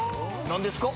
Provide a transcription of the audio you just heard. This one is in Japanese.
何ですか？」